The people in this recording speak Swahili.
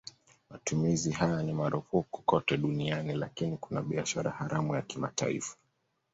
Matumizi haya ni marufuku kote duniani lakini kuna biashara haramu ya kimataifa.